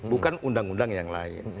bukan undang undang yang lain